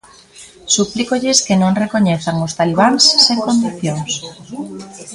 Suplícolles que non recoñezan os talibáns sen condicións.